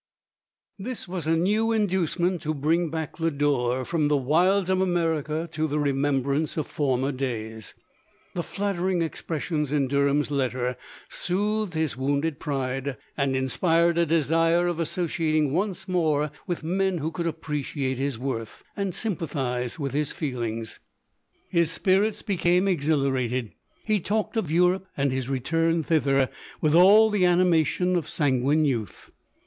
This was a new inducement to brino; back Lo dore from the wilds of America, to the remem brance of former days. The flattering expres sions in DerhatrTs letter soothed his wounded pride, and inspired a desire of associating once more with men who could appreciate his worth, and sympathize with his feelings. His spirits became exhilarated ; he talked of Europe and his return thither, with all the animation of sanguine youth.